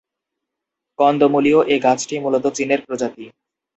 কন্দমূলীয় এ গাছটি মূলত চীনের প্রজাতি।